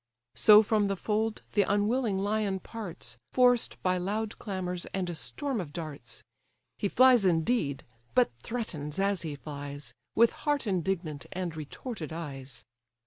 So from the fold the unwilling lion parts, Forced by loud clamours, and a storm of darts; He flies indeed, but threatens as he flies, With heart indignant and retorted eyes.